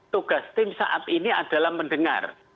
tugas tim saat ini adalah mendengar